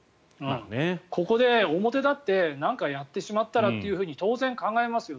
ここで表立ってなんかやってしまったらと当然、考えますよ。